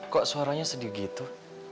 kok suaranya sedih gitu